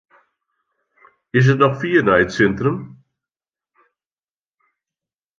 Is it noch fier nei it sintrum?